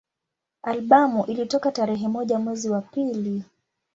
Albamu ilitoka tarehe moja mwezi wa pili